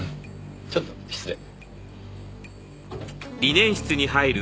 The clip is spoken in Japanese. ちょっと失礼。